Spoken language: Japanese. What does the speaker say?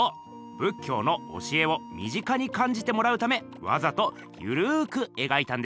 仏教の教えを身近に感じてもらうためわざとゆるくえがいたんでしょうね。